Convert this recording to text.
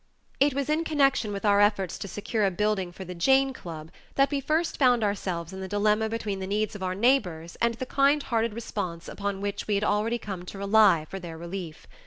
It was in connection with our efforts to secure a building for the Jane Club, that we first found ourselves in the dilemma between the needs of our neighbors and the kind hearted response upon which we had already come to rely for their relief.